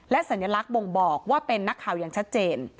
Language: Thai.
สัญลักษณ์บ่งบอกว่าเป็นนักข่าวอย่างชัดเจน